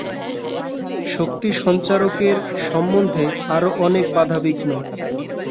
শক্তিসঞ্চারকের সম্বন্ধে আরও অনেক বাধাবিঘ্ন।